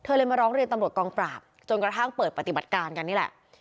เลยมาร้องเรียนตำรวจกองปราบจนกระทั่งเปิดปฏิบัติการกันนี่แหละ